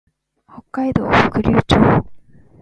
北海道北竜町